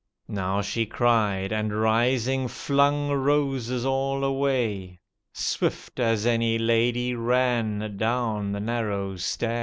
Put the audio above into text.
Now she cried and rising flung roses all away. Swift as any lady ran down the narrow stair.